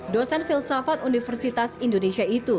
dosen filsafat universitas indonesia itu